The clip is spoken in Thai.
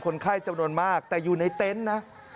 คนไข้จำนวนมากแต่อยู่ในเต็นต์นะ